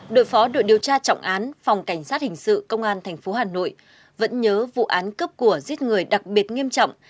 đội phó đội điều tra trọng án phòng cảnh sát hình sự công an tp hà nội vẫn nhớ vụ án cướp của giết người đặc biệt nghiêm trọng